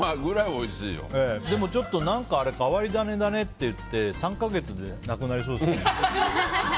でもちょっと変わり種だねって言って３か月でなくなりそうですね。